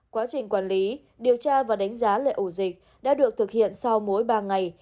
quá trình quản lý điều tra và đánh giá lệ ổ dịch đã được thực hiện sau mỗi ba ngày